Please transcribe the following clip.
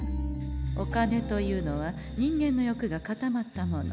お金というのは人間の欲が固まったもの。